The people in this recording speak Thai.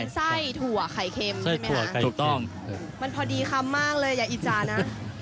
เป็นไส้ถั่วไข่เค็มใช่ไหมคะมันพอดีคำมากเลยอย่าอิจจานะ